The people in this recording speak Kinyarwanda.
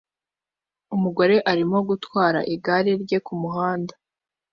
Umugore arimo gutwara igare rye kumuhanda